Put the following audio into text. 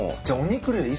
じゃあお肉類